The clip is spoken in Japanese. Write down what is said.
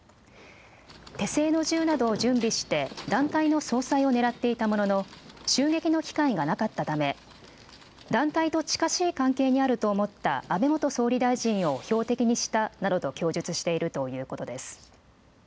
手製の銃などを準備して、団体の総裁を狙っていたものの、襲撃の機会がなかったため、団体と近しい関係にあると思った安倍元総理大臣を標的にしたなどと供述しているということです。